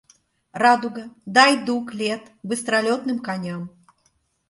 Радуга, дай дуг лет быстролётным коням.